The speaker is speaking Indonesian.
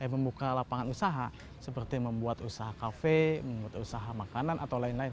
membuka lapangan usaha seperti membuat usaha kafe membuat usaha makanan atau lain lain